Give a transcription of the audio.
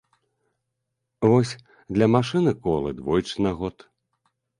Вось, для машыны колы двойчы на год.